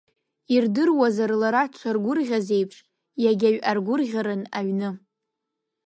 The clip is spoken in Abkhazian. Ирдыруазар, лара дшаргәырӷьаз еиԥш егьаҩ аргәырӷьарын аҩны.